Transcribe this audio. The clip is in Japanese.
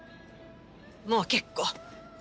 もう結構。